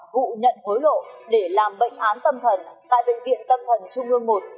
vụ nhận hối lộ để làm bệnh án tâm thần tại bệnh viện tâm thần trung ương một